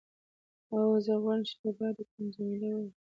هو، زه غواړم چې تباه دې کړم. جميلې وويل:.